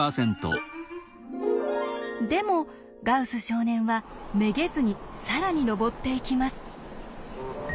でもガウス少年はめげずに更に上っていきます。